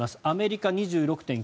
アメリカ、２６．９％。